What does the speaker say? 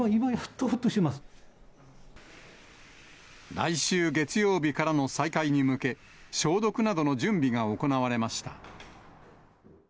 いやー、来週月曜日からの再開に向け、消毒などの準備が行われました。